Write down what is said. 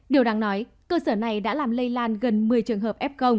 điều đáng nói cơ sở này đã làm lây lan gần một mươi trường hợp f